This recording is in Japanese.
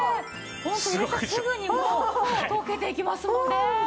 ホント入れてすぐにもう溶けていきますもんね。